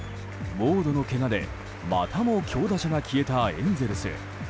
ウォードのけがで、またも強打者が消えたエンゼルス。